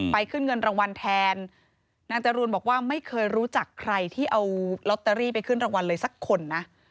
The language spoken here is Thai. ขึ้นเงินรางวัลแทนนางจรูนบอกว่าไม่เคยรู้จักใครที่เอาลอตเตอรี่ไปขึ้นรางวัลเลยสักคนนะ